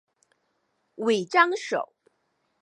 尾张守。